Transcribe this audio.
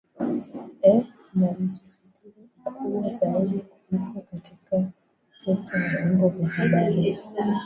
eeh na msisitizo mkubwa zaidi kuliko katika sekta ya vyombo vya habari